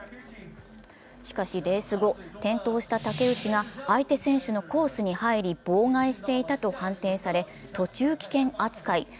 しかしレース後、転倒した竹内が相手選手のコースに入り妨害していたと判定され、途中棄権扱い。